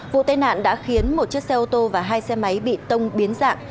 vụ tai nạn đã khiến một chiếc xe ô tô và hai xe máy bị tông biến dạng